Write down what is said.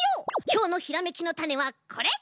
きょうのひらめきのタネはこれ！